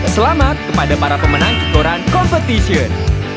selamat kepada para pemenang kikoran competition